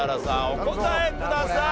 お答えください。